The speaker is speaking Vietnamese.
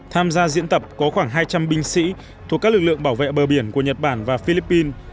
tham gia diễn tập có khoảng hai trăm linh binh sĩ thuộc các lực lượng bảo vệ bờ biển của nhật bản và philippines